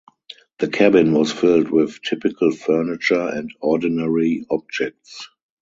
The cabin was filled with typical furniture and ordinary objects.